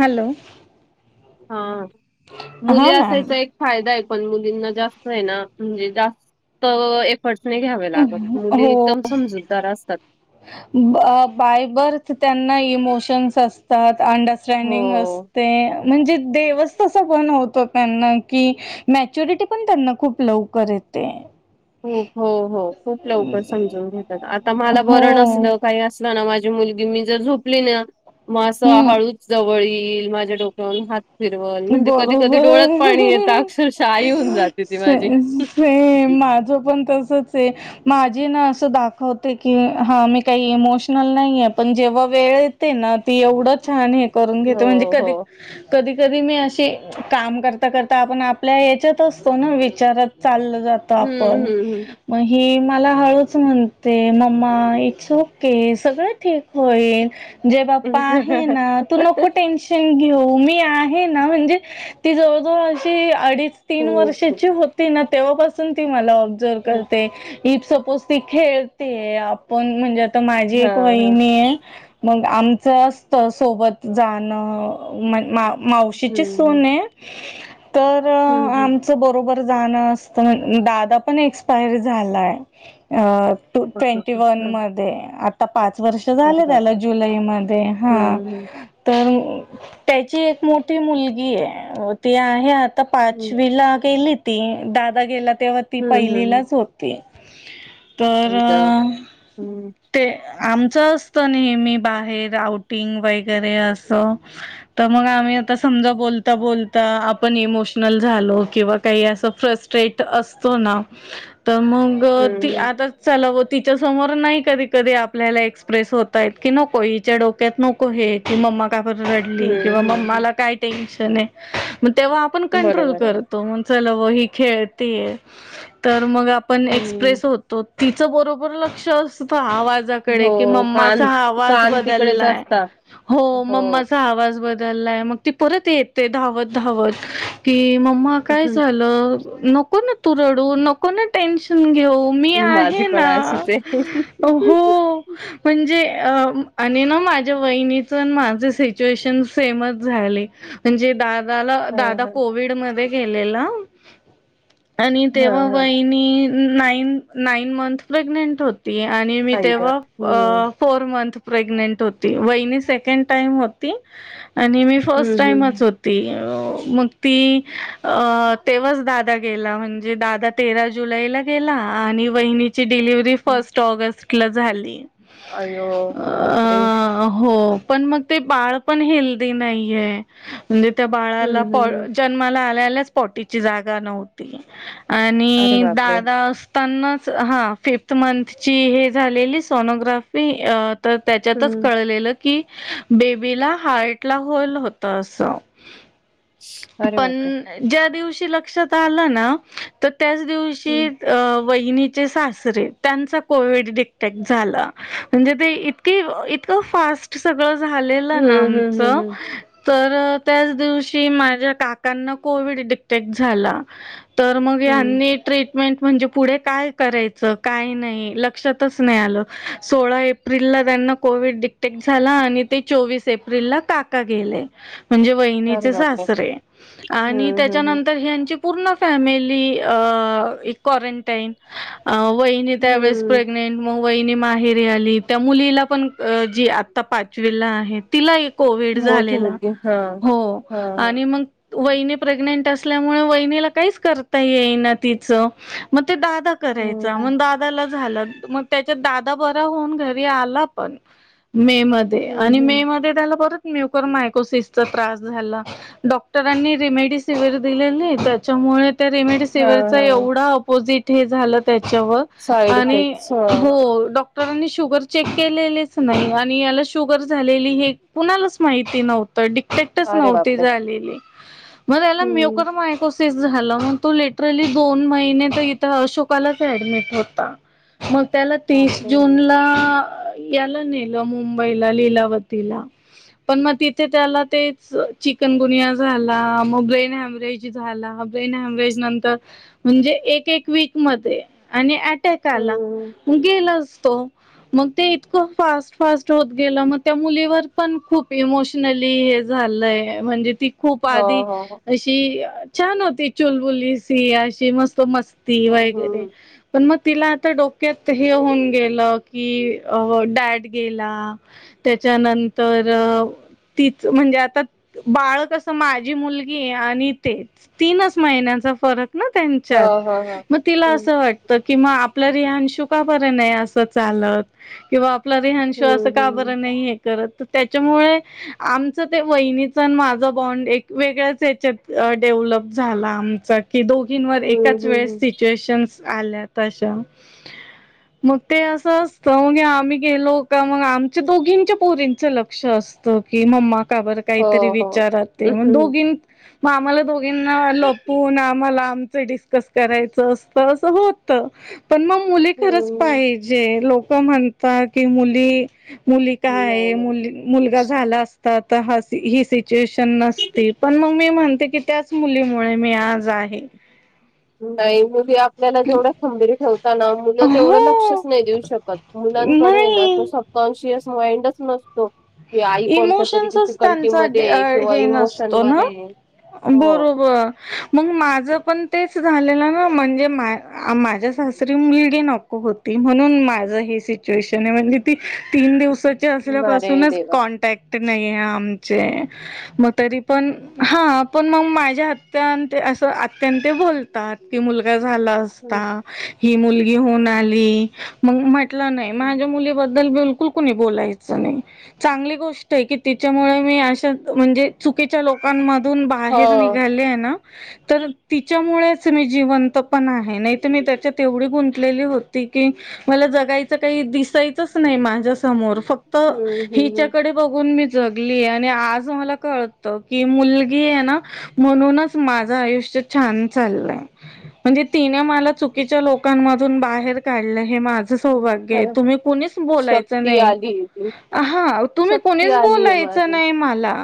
Hello. हां. मुली हां मॅम असायचा एक फायदा आहे. पण मुलींना जास्त ए ना म्हणजे जास्त- एफर्ट्स नाही घ्यावे लागत. मुली हो एकदम समजूतदार असतात. बाय बर्थ त्यांना इमोशन्स अस- त्यात अंडरस्टँडिंग हो. असते. म्हणजे देवच तस बनवतो त्यांना. की मॅच्युरिटी पण त्यांना- खूप लवकर येते. हो. हो. हो. खूप लवकर समजून घेतात. आता मला हो बरं नसलं काही अस- माझी मुलगी मी जर झोपली ना? म अस हम्म हळू- जवळ येईल. माझ्या डोक्यावरून हात - फिरवल. म्हणजे कधी कधी डोळ्यात पाणी येत बरोबर अक्षरशः आई होऊन जाते ती माझी. सेम माझं पण तसच ए. माझी ना असं दाखवते की हां मी काही इमोशनल नाही ए. पण जेव्हा वेळ- ना ती एवढं छान हे करून घेते. म्हणजे हो, हो. कधी, कधी - कधी मी अशी काम करता करता, आपण आपल्या याच्यात असतो ना? विचारात चालल जातो. हं, -जात. हं, म ही मला हळूच म्हणते. मम्मा इट्स ओके सगळं ठीक होईल. देवबाप्पा आहे हं. ना? तू नको टेन्श- -न घेऊ. मी आहे ना? म्हणजे ती जवळजवळ अशी अडीच- तीन खूप, खूप. वर्षाची होती ना? तेव्हापासून ती मला ऑब्झर्व हं. करते. इफ सपोज ती खेळतीए. आपण म्हणजे आता माझी एक हां, हां. वहिनी ए. मग आमच असत सोबत जाणं. म मा - हं, मावशीची हं. सून ए. तर हम्म आम- हम्म -च बरोबर जाण असत. दादा पण एक्सपायर झालाय. अ- two okay twenty okay one हं मधे. अप - पाच वर्ष अरे झाले त्याला बापरे जुलैमध्ये. हां. हम्म तर त्याची एक मोठी मुलगी आहे. ती आहे आ- हम्म पाचवीला गेली ती. दादा गेला तेव्हा ती हम्म हम्म पहिलीलाच हो- -ती हम्म ग- तर- हम्म ते आमचं असत नेहमी बाहेर आउटिंग वगैरे असं. त मग आम - म आता समजा बोलता बोलता आपण इमोशनल झालो किंवा काही अस फ्रस - -स्ट्रेट असतो ना? त मग ती हम्म आता- चला बुवा तिच्या समोर नाही कधी कधी आपल्याला एक्सप्रेस होता येत. की नको हिच्या डोक्यात नको- को हे की मम्मा- का बर रडली? हम्म किंवा हम्म हम्म. मम्माला काय टेन्शन ए. म तेव्हा आपण कंट्रोल बरोबर आहे. कर- -तो. म्हणतो चला बुवा ही खेळतीए. तर मग आपण हम्म एक्सप्रेस होतो.. तो. तिच बरोबर लक्ष असतं. आवाज- जा कडे की, हो मम्माचा कान हा आवाज कान तिकडेच बदललाय. असतात. हो मम्माचा आवाज बद दलाय. मग ती परत येते धावत धावत, कि मम्मा काय हम्म. झाल? नको ना तु रडू, नको ना टेन्शन घेऊ. मी माझी आहे पण ना. अशीच आहे. हो. म्हणजे आणि ना, माझ्या वहिनीच अन माझ सिच्युएशन सेमच झाली. म्हणजे दादाला दादा हं हं. कोविड मध्ये गेलेला. आणि तेव्हा हं हं. वहिणी नाईन, नाईन मंथ प्रेग्नेंट होती. ती आणि मी आई ग! तेव्हा हम्म. फोर मंथ प्रेग्नेंट होती. वहिनी सेकंड टाईम होती आणि मी फर्स्ट हम्म टाईमच हम्म होती. त मग ती तेव्हाच दादा गेला. म्हणजे दादा तेरा जुलैला गेला. आणि वहिनीची डिलेव्हरी हं. फर्स्ट ऑगस्टला झाली. अय्यो, बापरे. अ हो पण मग ते बाळ पण हेल्दी नाहीये. म्हणजे त्या बाळाला हम्म पॉ हम्म हं. जन्माला आल्या आल्याच पॉटीची जागा नव्हती. अरे आणि बापरे! दादा अस तानाच, हां फिफ्थ मंथची हे झालेली सोनोग्राफी. तर त्याच्यातच हम्म. कळलेल की बेबीला हार्ट हार्टला होल होत अस. अरे पण बापरे! ज्या दिवशी लक्षात आल ना, तर त्याच दिवशी हं. वहिनीचे सासरे, त्यांचा कोविड डिटेक्ट झाला. म्हणजे ते इत ते इतक फास्ट सगळ झालेल हं ना. हं हं आमचं हं. तर त्याच दिवशी, माझ्या काकांना कोविड डिटेक्ट झाला. तर मग हं. ह्यांनी ट्रीट मेन म्हणजे पुढे काय करायच, काय नाही लक्षातच नाही आल. सोळा एप एप्रिल ला त्यांना कोविड डिटेक्ट झाला, आणि ते चोवीस एप्रिलला काका गेले. म्हणजे अरे वहिनीचे बापरे! सासरे आणि हम्म हम्म हम्म. त्याच्यानंतर ह्यांची पूर्ण फॅमिली, क्वारंटाईन वहिणी त्यावेळेस हम्म. प्रेग्नेंट मग वहिनी माहेरी आली. त्या मुलीला पण जी आता पाचवीला आहे तिला एक कोविड मोठी झालेला. मुलगी हा हो हा हा. आणि मंग वहिनी प्रेग्नेंट असल्यामुळे, वहिनीला काहीच करता येईना तिच. मग ते दादा करायचा. हम्म. मग दादाला झाला. मग त्याच्यात दादा बरा होऊन घरी आला पण, मे मध्ये. धे आणि हम्म मे हम्म. मध्ये त्याला परत म्युकर मायकोसिसचा त्रास झाला. डॉक्टरांनी रिमेडीसिवीर दिलेली, त्याच्यामुळे त्या हा रिमेडिसिवरचा हा एवढा आपोजिट हे झाल त्याच्यावर. साईड आणि इफेक्ट्स ह हो डॉक क्टरांनी शुगर चेक केलेलीच नाही. आणि याला शुगर झालेली, हे कुणालाच माहिती नव्ह डिक्टेटच अरे नव्हती बापरे! झालेली. मग ह्याला हम्म म्युकर मायकोसिस झाला. मग तो लिटरली दोन महिने तर इथ अशोकालाच ऍडमिट होता. मग त्याला तीस बापरे! जूनला, याला नेल मुंबईला लीलावतीला. पण मग तिथे त्याला तेच चिकन गुनिया झाला मग ब्रेन हॅमरेज झाला. ब्रेन हॅमरेज नंतर, म्हणजे एक एक विक मध्ये. आणि ॲट टॅक आला. हम्म. गेलाच तो. मग ते इतकं फास्ट, फास्ट होत गेलं. मग त्या मुलीवर- पण खूप इमोशनली हे झालंय. म्हणजे ती खूप हो आधी हो हो अशी - छान होती चुलबुली सी. अशी मस्त मस्ती हम्म. वगैरे. पण मग तिला आता डोक्यात हे होऊन गेलं की डॅड गेला. त्याच्यानंतर हम्म. हम्म. तीच म्हणजे आता- बाळ कसं माझी मुलगी आणि ते तीनच महिन्यांचा फरक. ना हा त्यांच्यात? हा हा. म तिला हम्म. असं वाट- -त कि आपला रियांशु का बर असा नाही चालत किंवा- आपला रिहांशु असं हम्म का बरं हम्म नाही हे करत? तर त्याच्यामुळे- आमचं ते वहिनीचा न माझा बॉण्ड एक वेगळ्याच याच्यात डेव्हलप झाला आमचा- कि दोघींवर हम्म एकाच हम्म. वेळेस हम्म. सिच्युएशनस आल्या अशा. मग ते असं असतं. मगे आम्ही गेलो का मग आमच्या दोघींच्या पोरींच लग- -क्ष असत. कि मम्मा का बर हो काहीतरी हो. विचारात ए. म हम्म. दोघी- म आम्हाला दोघींना लपून. आम्हाला आमचं डिस- -कस करायचं असत अस होत. पण मग मुली खरच- हम्म. पाहिजे. लोक म्हणतात की मुली- मुली का हम्म. नाही आहे मुली- मुलगा नाही. झाला असता त ही सिच्युएशन नसती. पण मग मी म्हणते की त्या- मुलीमुळे मी आज आहे. नाही. मुली आपल्याला जेवढ खंबिर ठेवता ना- मुलं तेवढं लक्षच हो नाही देऊ शकत. मुलांकडे ए ना नाही तसा - कॉन्शियस माइंडच नसतो. कि आई कोणत्या तरी इमोशन्सच डिफिकल्टी त्यांचा मध्ये डे अ ए किंवा हे इमोशन नसतो ना मध्ये ए. बरोबर. मग माझं पण तेच झालेलं ना? म्हणजे मा माझ्या सासरी मुलगी नको - होती. म्हणून माझ हे सिचुएशन आहे. म्हणजे ती तीन दिवसाची अरे असल्यापासूनच- देवा! कॉन्टॅक्ट नाही ए आमचे. म तरी पण, हां. पण मग माझ्या हत्या ते अस आत्यान ते बोलतात. कि मुलगा झाला असता. हं. हि मुलगी होऊन आली. मग म्हटलं नाही. माझ्या मुलीबद्दल बिलकुल कुणी बोलायचं नाही. चांगली गोष्ट ए की तिच्यामुळे मी अशा म्हणजे- चुकीच्या लोकांमधून बाहेर हो. निघाले आहे ना- तर तिच्यामुळेच मी जिवंत पण आहे. नाही तर मी त्याच्यात एवढी गुंतलेली होती की- मला जगायचं काही दिसायचंच नाही माझ्या समोर फक्त- हम्म हम्म -कडे बघून मी जगली. आणि आज मला कळत की मुलगी ए ना - म्हणूनच माझं आयुष्य छान चाललंय. म्हणजे तिने मला चुकीच्या लोकांमधून बाहेर काढलं. हे माझ- हम्म सौभाग्य ए. तुम्ही कुणीच बोलायचं नाही. हम. हम. हां. तुम्ही कोणीच बोलायचं नाही मला.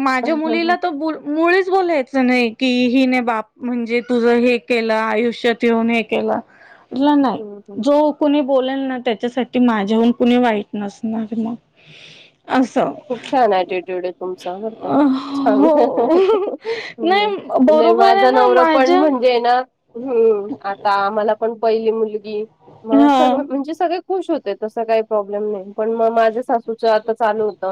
माझ्या हम्म मुलीला त ब- मुळीच बोलायचं नाही. कि हिने बाप म्हणजे तुझं हे केलं. आयुष्यात येऊन हे- केल. म नाही. हम्म. जो कुणी बोलेल ना त्याच्यासाठी माझ्याहून कुणी वाईट नसणार. मग. असं खूप छान ऍटिट्यूड आहे तुमचा. बर का. खूप हो. नाही छान. [unintelligible] बरोबर आहे माझा ना नवरा पण माझ्या म्हणजे ए ना- हम्म आता आम्हाला पण पहिली मुलगी म हा सग म्हणजे सगळे खुश होते तसं काही प्रॉब्लेम नाही पण मग माझ्या सासूच आता चालू होत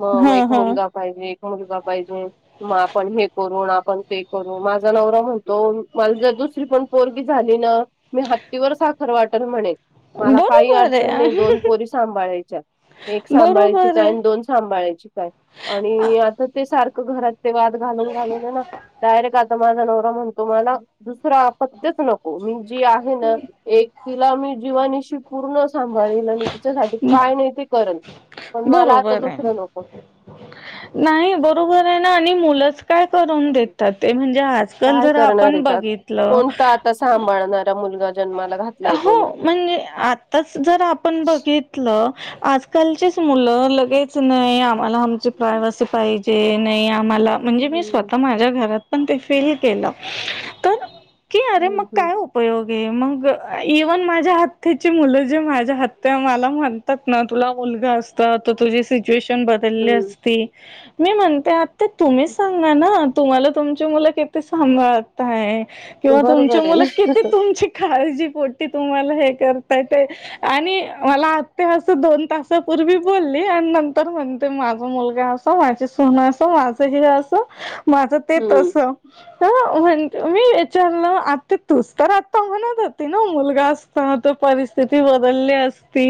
म मग हा एक हा. मुलगा पाहिजे एक मुलगा पाहिजे. मग आपण हे करून ते करू माझा नवरा म्हणतो मला जर दुसरी पण पोरगी झाले न मी हत्तीवर साखर वाटेल म्हणे. मला काही बरोबर अडचण नाही दोन आहे पोरी सांभाळायच्या एक सांभाळायची बरोबर का आहे. दोन सांभाळायची काय आणि आता ते सारखं घरात ते वाद घालून घालून ना डायरेक्ट आता माझा नवरा म्हणतो मला दुसरा सत्यच नको मी जे आहे ना एक तिला मी जीवानीशी पूर्ण सांभाळेन आणि हिच्यासाठी काय नाही ते करल पण मला आता बरोबर आहे. दुसरं नको. नाही बरोबर आहे ना आणि मुलं काय करून देतात ते म्हणजे आजकाल काय जर करणार आपण आहेत आ बघितलं कोणता आता सांभाळणारा मुलगा जन्माला घातलाय हो कोणी म्हणजे आताच जर आपण बघितलं. आजकालचीच मुलं लगेच नाही आम्हाला आमची प्रायव्हसी पाहिजे नाही आम्हाला म्हणजे मी हम्म स्वतः माझ्या घरात पण ते फील केलं. तर की अरे हम्म मग काय हम्म. उपयोग आहे मग इव्हन माझ्या हक्काची मुलं जे माझ्या आत्त्या मला म्हण त्यात ना तुला मुलगा असता तर तुझी से च्युएशन बदलली हम्म असती, मी म्हणते आता तुम्ही सांगा ना तुम्हाला तुमची मुलं किती सांभाळत आहे किंवा तुमच्या बरोबर आहे मुलं किती ना तुमची काळजी पोटी तुम्हाला हे करताय ते आणि मला आत्या असं दोन तासापूर्वी बोलली आणि नंतर म्हणते माझा मुलगा माझे सून असं माझं हे असं माझं ते हम्म, तसं, अं मी विचारलं आत्या तूच तर आता म्हणत होती ना मुलगा असता तर परिस्थिती बदलली असती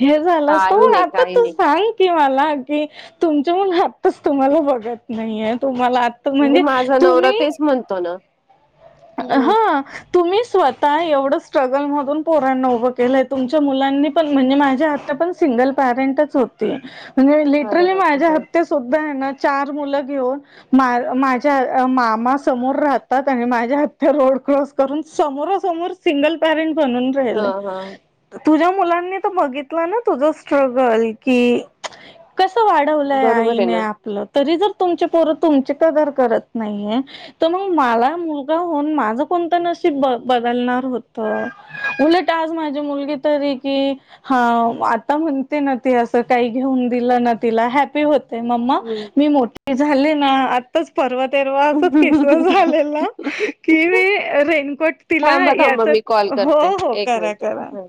हे झालं असतं काही मग नाही, आता काही तू नाही. सांग कि मला ही तुमचं मूल आताचं तुम्हाला बघत नाहीेये तुम्हाला आता म्हणजे माझा नवरा तुम्ही तेच म्हणतो ना. हम्म. हा. तुम्ही स्वतः एवढं स्ट्रगलमधून पोरांना उभं केलंय तुमच्या मुलांनी पण म्हणजे माझ्या आत्त्या पण सिंगल पेरेंटच होती अरे लीट्रली बापरे! माझ्या हां. आत्या सुद्धा हेना चार मुलं घेऊन मा माझ्या मामा समोर राहतात आणि माझ्या हात रोड क्रॉस करून, समोरा समोर सिंगल पॅरेंट बनून राहिलाय. हां, हां. तुझ्या मुलांनी बघितलाय ना तुझ स्ट्रगल की, कसं वाट ठेवलय बरोबर आहे आईने ना. आप लय तरी तुमची पोरं तुमची कदर करत नाही तर म मला होऊन माझं कोणत नशीब ब बदलणार होत. उलट आज माझी मुलगी तरी ही हां आता म्हणते ना ती असं काही घेऊन दिलं ना तिला हॅपी हो ते मम्मा हं. मी मोठीे झाली ना आत्ताचं परवा तेरवा असंच किसा झालेला. कि रेनकोट तिला थांबा, थांबा याच मी कॉल हो करते. हो करा मिनिट. करा. हां.